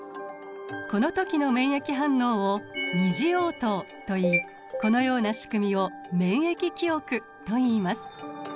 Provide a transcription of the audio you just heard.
この時の免疫反応を二次応答といいこのようなしくみを免疫記憶といいます。